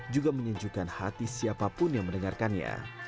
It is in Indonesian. juga menyejukkan hati siapapun yang mendengarkannya